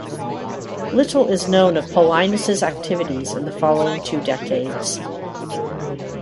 Little is known of Paulinus' activities in the following two decades.